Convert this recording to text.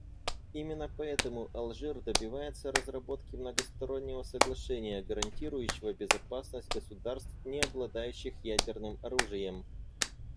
Именно поэтому Алжир добивается разработки многостороннего соглашения, гарантирующего безопасность государств, не обладающих ядерным оружием.